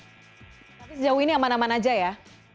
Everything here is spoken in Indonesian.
tapi sejauh ini aman aman aja ya